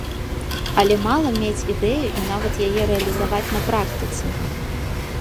Але мала мець ідэю, і нават яе рэалізаваць на практыцы.